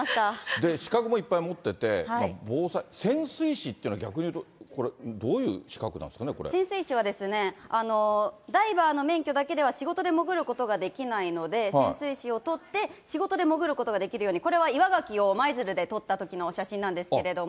で、資格もいっぱい持ってて、防災、潜水士っていうのは、逆に言うと、これ、潜水士はですね、ダイバーの免許だけでは、仕事で潜ることができないので、潜水士を取って、仕事で潜ることができるように、これは岩ガキを舞鶴で取ったときの写真なんですけれども。